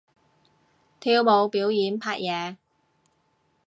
跳舞表演拍嘢